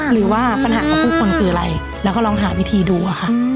หรือว่าปัญหาของผู้คนคืออะไรแล้วก็ลองหาวิธีดูอะค่ะ